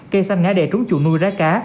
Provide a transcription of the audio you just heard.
cây xanh ngã đè trúng chuồng nuôi ra cá